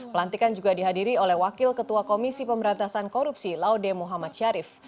pelantikan juga dihadiri oleh wakil ketua komisi pemberantasan korupsi laude muhammad syarif